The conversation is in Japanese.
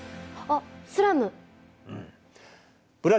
あっスラム？